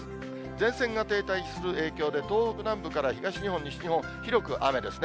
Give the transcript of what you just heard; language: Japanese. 前線が停滞する影響で、東北南部から東日本、西日本広く雨ですね。